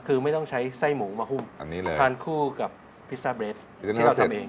คือไม่ต้องใช้ไส้หมูมาหุ้มอันนี้เลยทานคู่กับพิซซ่าเบรสที่เราทำเอง